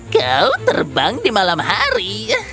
kau terbang di malam hari